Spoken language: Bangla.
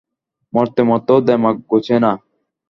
মরতে মরতেও দেমাক ঘোচে না।